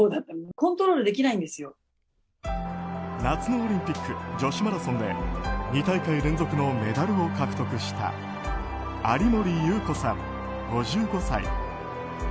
夏のオリンピック女子マラソンで２大会連続のメダルを獲得した有森裕子さん、５５歳。